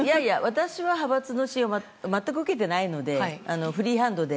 私は派閥の支援を全く受けていないのでフリーハンドで。